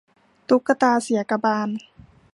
ตุ๊กตาเสียกบาล